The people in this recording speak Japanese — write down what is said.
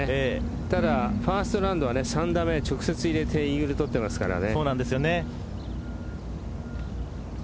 ただファーストラウンドは３打目直接入れてイーグル取ってますからね。